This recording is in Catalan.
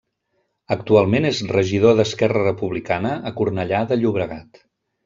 Actualment és regidor d'Esquerra Republicana a Cornellà de Llobregat.